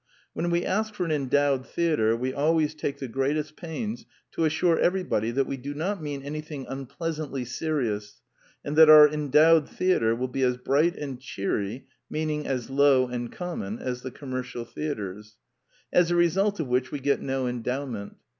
When we ask for an endowed theatre we always take the greatest pains to assure everybody that we do not mean anything unpleasantly serious, and that our endowed theatre will be as bright and cheery (meaning as low and common) as the commercial theatres. As a result of which we get no endowment.